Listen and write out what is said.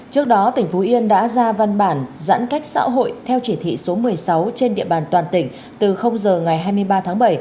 trước đó tỉnh phú yên đã ra văn bản giãn cách xã hội theo chỉ thị số một mươi sáu trên địa bàn toàn tỉnh từ giờ ngày hai mươi ba tháng bảy